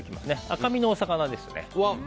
赤身のお魚です。